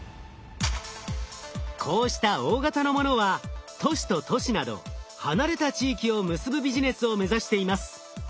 こうした大型のものは都市と都市など離れた地域を結ぶビジネスを目指しています。